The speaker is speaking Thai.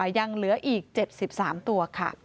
ยังเหลืออีก๗๓ตัวค่ะ